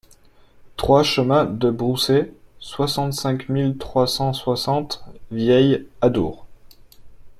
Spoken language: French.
trois chemin de Brousset, soixante-cinq mille trois cent soixante Vielle-Adour